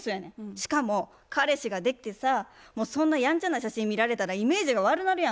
しかも彼氏ができてさもうそんなヤンチャな写真見られたらイメージが悪なるやんか。